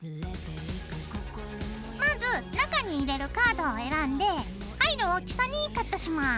まず中に入れるカードを選んで入る大きさにカットします。